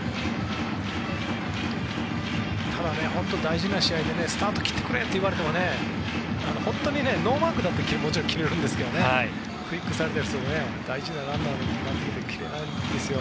ただ、本当に大事な試合でスタートを切ってくれと言われても本当にノーマークだったら切れるんですけどクイックされたりすると大事なランナーなのに切れないですよ。